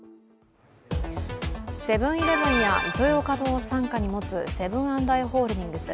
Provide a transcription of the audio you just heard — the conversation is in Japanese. セブン−イレブンやイトーヨーカ堂を傘下に持つセブン＆アイ・ホールディングス。